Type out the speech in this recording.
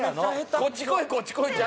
こっち来いこっち来いちゃう。